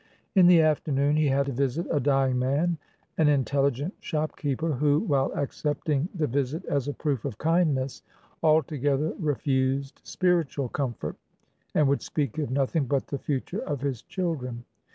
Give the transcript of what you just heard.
In the afternoon, he had to visit a dying man, an intelligent shopkeeper, who, while accepting the visit as a proof of kindness, altogether refused spiritual comfort, and would speak of nothing but the future of his children.